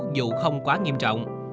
dù không quá nghiêm trọng